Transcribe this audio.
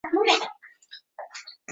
故它们会在初春时出现。